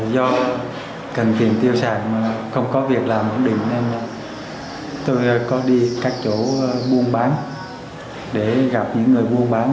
do cần tiền tiêu xài mà không có việc làm ổn định nên tôi có đi các chỗ buôn bán để gặp những người mua bán